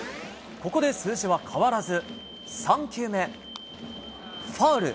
ここで数字は変わらず、３球目、ファウル。